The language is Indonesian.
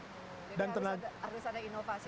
jadi harus ada inovasi